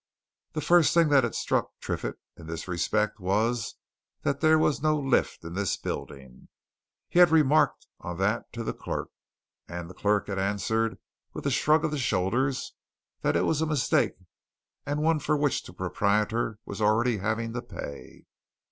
The first thing that had struck Triffitt in this respect was that there was no lift in this building. He had remarked on that to the clerk, and the clerk had answered with a shrug of the shoulders that it was a mistake and one for which the proprietor was already having to pay.